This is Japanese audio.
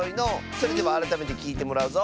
それではあらためてきいてもらうぞ。